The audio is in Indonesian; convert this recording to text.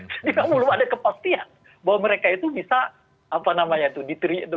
sehingga perlu ada kepastian bahwa mereka itu bisa apa namanya itu diterima